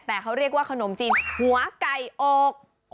แต่เขาเรียกว่าขนมจีนหัวไก่อก